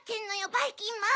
ばいきんまん！